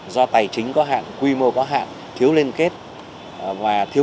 do tài chính có hạn quy mô có hạn thiếu liên kết